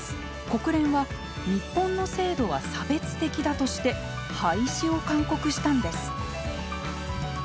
国連は日本の制度は差別的だとして廃止を勧告したのです。